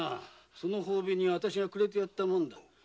その褒美にわたしがくれてやったものだ。